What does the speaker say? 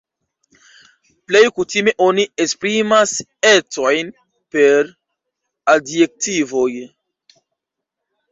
Plej kutime oni esprimas ecojn per adjektivoj.